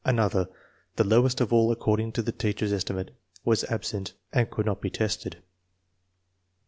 Another, the lowest of all according to the teach er's estimate, was absent and could not be tested.